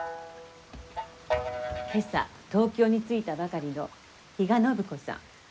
今朝東京に着いたばかりの比嘉暢子さん。